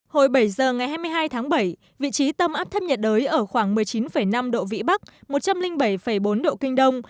hồi bảy giờ ngày hai mươi hai tháng bảy vị trí tâm áp thấp nhiệt đới ở khoảng một mươi chín năm độ vĩ bắc một trăm linh bảy bốn độ kinh đông